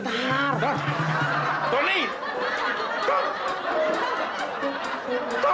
iya lepasin om ya